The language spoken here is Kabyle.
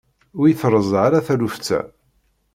Ur yi-terza ara taluft-a.